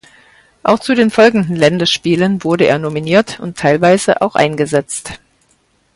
Auch zu den folgenden Länderspielen wurde er nominiert und teilweise auch eingesetzt.